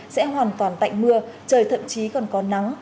sẽ hoàn toàn tạnh mưa trời thậm chí còn có nắng